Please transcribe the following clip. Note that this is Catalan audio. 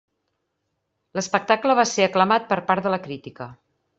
L'espectacle va ser aclamat per part de la crítica.